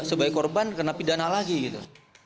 sebagai korban kena pidana lagi gitu